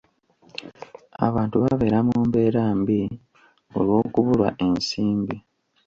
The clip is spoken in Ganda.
Abantu babeera mu mbeera mbi olw'okubulwa ensimbi.